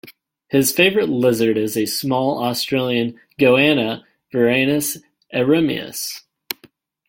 His favorite lizard is a small Australian goanna, "Varanus eremius".